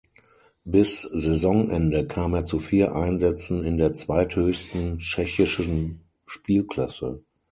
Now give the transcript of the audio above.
Bis Saisonende kam er zu vier Einsätzen in der zweithöchsten tschechischen Spielklasse.